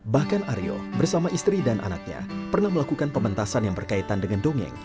bahkan aryo bersama istri dan anaknya pernah melakukan pementasan yang berkaitan dengan dongeng